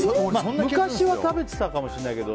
昔は食べてたかもしれないけど。